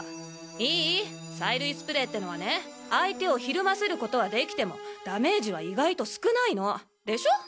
いい催涙スプレーってのはね相手を怯ませる事はできてもダメージは意外と少ないの！でしょ？